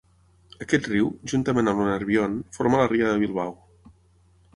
Aquest riu, juntament amb el Nerbion, forma la ria de Bilbao.